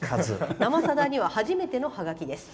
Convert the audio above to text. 「生さだ」には初めてのはがきです。